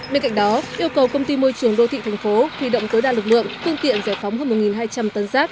bên cạnh đó yêu cầu công ty môi trường đô thị thành phố huy động tối đa lực lượng phương tiện giải phóng hơn một hai trăm linh tấn rác